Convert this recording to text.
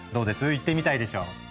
行ってみたいでしょう。